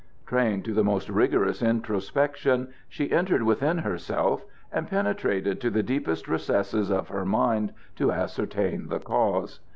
Trained to the most rigorous introspection, she entered within herself and penetrated to the deepest recesses of her mind to ascertain the cause.